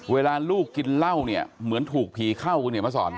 เวลาลูกกินเหล้าเนี่ยเหมือนถูกผีเข้าคุณเห็นมาสอน